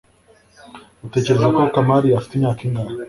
utekereza ko kamari afite imyaka ingahe